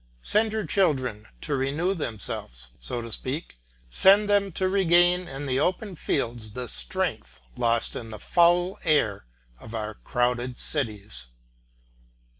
Send your children to renew themselves, so to speak, send them to regain in the open fields the strength lost in the foul air of our crowded cities.